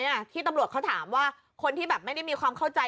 ตอบได้เลยไหมที่ตำรวจเขาถามว่าคนที่แบบไม่ได้มีความเข้าใจ